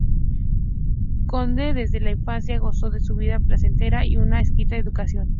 Conde, desde la infancia gozó de una vida placentera y de una exquisita educación.